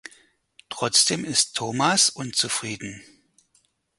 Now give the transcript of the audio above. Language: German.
Trotzdem ist Thomas unzufrieden.